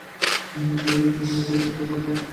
কালিদাসের ঋতুসংহার কাব্যের উপর বরাবর আমার একটা ঘৃণা আছে।